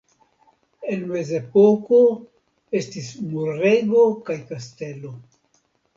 En Mezepoko estis murego kaj kastelo.